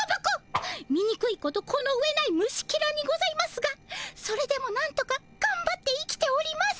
みにくいことこの上ない虫ケラにございますがそれでもなんとかがんばって生きております！